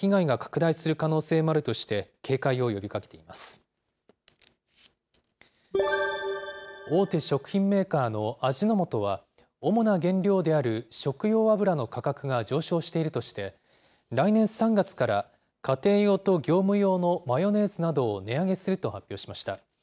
大手食品メーカーの味の素は、主な原料である食用油の価格が上昇しているとして、来年３月から、家庭用と業務用のマヨネーズなどを値上げすると発表しました。